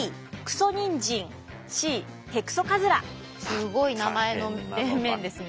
すごい名前の面々ですね。